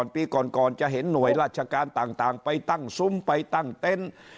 ปีก่อนจะเห็นหน่วยราชการต่างไปตั้งซุ้มไปตั้งเต็นต์